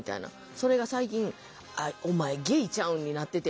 それが最近「お前ゲイちゃうん」になってて。